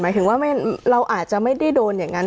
ถึงว่าเราอาจจะไม่ได้โดนอย่างนั้น